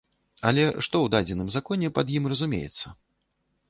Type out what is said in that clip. Але што ў дадзеным законе пад ім разумеецца?